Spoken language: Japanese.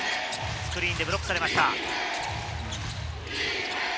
スクリーンでブロックされました。